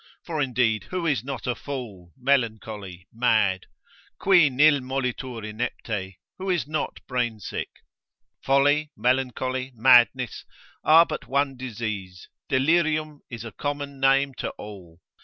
For indeed who is not a fool, melancholy, mad?— Qui nil molitur inepte, who is not brain sick? Folly, melancholy, madness, are but one disease, Delirium is a common name to all.